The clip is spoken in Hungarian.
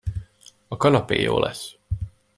A kanapé jó lesz.